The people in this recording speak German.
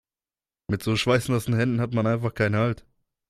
Mit so schweißnassen Händen hat man einfach keinen Halt.